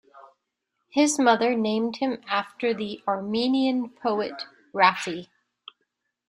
His mother named him after the Armenian poet Raffi.